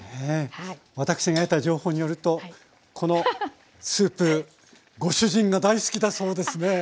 私が得た情報によるとこのスープご主人が大好きだそうですね？